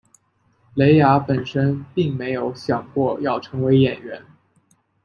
蕾雅本身并没有想过要成为演员。